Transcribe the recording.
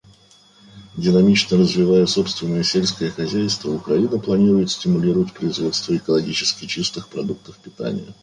Динамично развивая собственное сельское хозяйство, Украина планирует стимулировать производство экологически чистых продуктов питания.